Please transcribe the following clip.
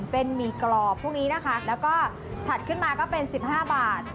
เป็นหมี่กรอบพวกนี้นะคะแล้วก็ถัดขึ้นมาก็เป็น๑๕บาท